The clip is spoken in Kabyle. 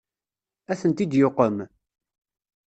Ad tent-id-yuqem?